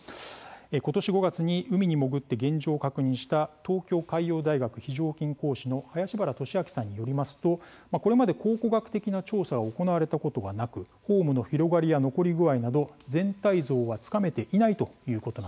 今年５月に海に潜って現状を確認した東京海洋大学非常勤講師の林原利明さんによりますとこれまで考古学的な調査が行われたことはなくホームの広がりや残り具合など全体像はつかめていないということなんです。